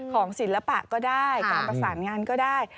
ศิลปะก็ได้การประสานงานก็ได้